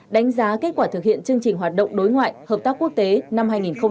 đánh giá kết quả thực hiện chương trình hoạt động đối ngoại hợp tác quốc tế năm hai nghìn một mươi chín